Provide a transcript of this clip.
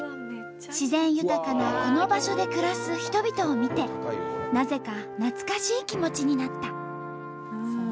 自然豊かなこの場所で暮らす人々を見てなぜか懐かしい気持ちになった。